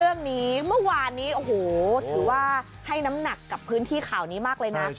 เรื่องนี้เมื่อวานนี้โอ้โหถือว่าให้น้ำหนักกับพื้นที่ข่าวนี้มากเลยนะ